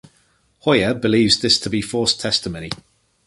Hoja believes this to be forced testimony.